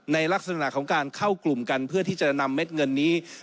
ในลักษณะของการเข้ากลุ่มกันเพื่อที่จะนำเม็ดเงินนี้